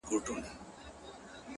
• اوس مي د زړه قلم ليكل نه كوي؛